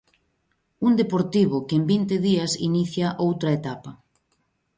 Un Deportivo que en vinte días inicia outra etapa.